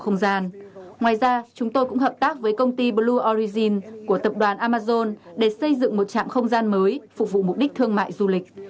ngoài ra chúng tôi cũng hợp tác với công ty blue origin của tập đoàn amazon để xây dựng một trạm không gian mới phục vụ mục đích thương mại du lịch